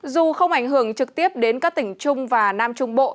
dù không ảnh hưởng trực tiếp đến các tỉnh trung và nam trung bộ